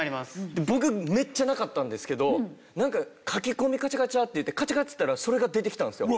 僕めっちゃなかったんですけどなんか書き込みカチャカチャっていってカチャカチャっていったらそれが出てきたんですよ。